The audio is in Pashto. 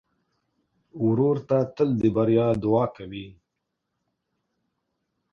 ورور ته تل د بریا دعا کوې.